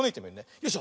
よいしょ。